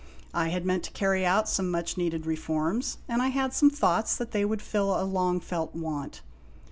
I had meant to carry out some much needed reforms, and I had some thoughts that they would fill a long felt want.